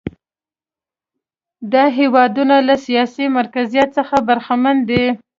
دا هېوادونه له سیاسي مرکزیت څخه برخمن دي.